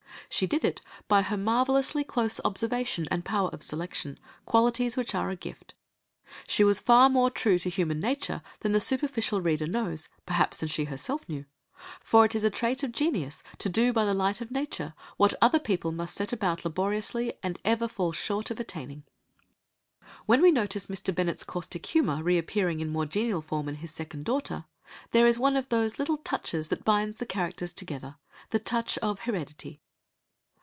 She did it by her marvellously close observation and power of selection, qualities which are a gift. She was far more true to human nature than the superficial reader knows, perhaps than she herself knew, for it is a trait of genius to do by the light of nature what other people must set about laboriously and ever fall short of attaining. When we notice Mr. Bennet's caustic humour reappearing in more genial form in his second daughter, there is one of those little touches that binds the characters together—the touch of heredity.